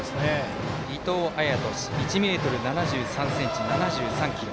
伊藤彩斗１ｍ７３ｃｍ、７３ｋｇ。